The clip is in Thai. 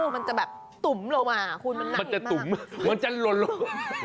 มันจะแบบตุ๋มลงมาคุณมันจะตุ๋มมันจะหล่นลง